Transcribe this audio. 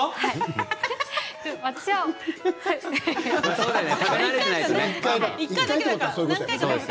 そうだよね。